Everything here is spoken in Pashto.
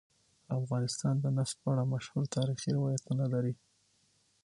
افغانستان د نفت په اړه مشهور تاریخی روایتونه لري.